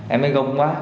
em mới gung quá